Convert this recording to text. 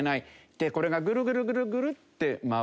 でこれがぐるぐるぐるぐるって回る。